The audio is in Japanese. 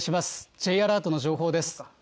Ｊアラートの情報です。